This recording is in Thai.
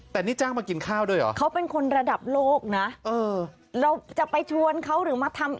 แต่นี่จ้างมากินข้าวด้วยเหรอเขาเป็นคนระดับโลกนะเออเราจะไปชวนเขาหรือมาทำ